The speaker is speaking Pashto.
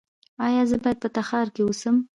ایا زه باید په تخار کې اوسم؟